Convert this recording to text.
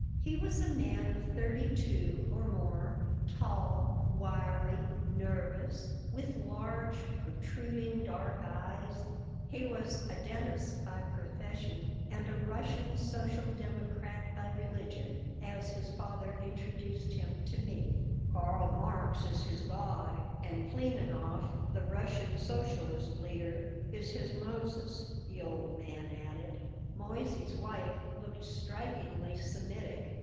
He was a man of thirty two or more, tall, wiry, nervous, with large, protruding, dark eyes. He was "a dentist by profession and a Russian social democrat by religion," as his father introduced him to me "Karl Marx is his god and Pleenanoff, the Russian socialist leader, is his Moses," the old man added Moissey's wife looked strikingly Semitic.